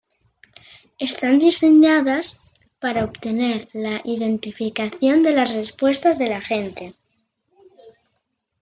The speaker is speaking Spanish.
Están diseñadas para obtener la identificación de las respuestas de la gente.